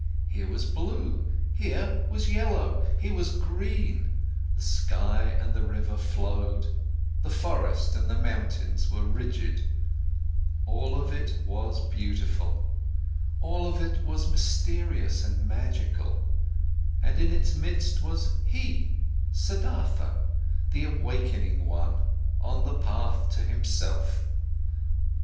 Here was blue, here was yellow, here was green, the sky and the river flowed, the forest and the mountains were rigid, all of it was beautiful, all of it was mysterious and magical, and in its midst was he, Siddhartha, the awakening one, on the path to himself.